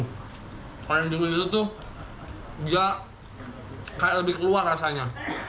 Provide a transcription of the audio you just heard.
kayak yang dikulit itu tuh dia kayak lebih keluar rasanya